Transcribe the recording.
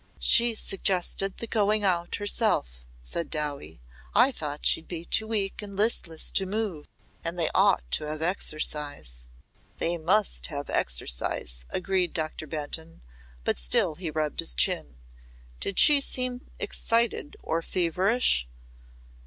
"She suggested the going out herself," said Dowie. "I'd thought she'd be too weak and listless to move. And they ought to have exercise." "They must have exercise," agreed Doctor Benton, but he still rubbed his chin. "Did she seem excited or feverish?"